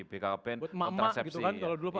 buat emak emak gitu kan kalau dulu pak